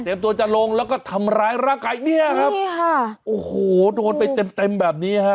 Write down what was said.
เตรียมตัวจรงแล้วก็ทำร้ายระไก่เนี่ยครับอันนี้ฮะโอ้โหโดนไปเต็มแบบนี้ฮะ